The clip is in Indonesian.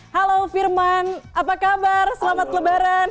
halo firman apa kabar selamat lebaran